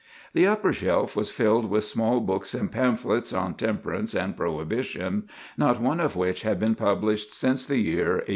The upper shelf was filled with small books and pamphlets on temperance and prohibition, not one of which had been published since the year 1852.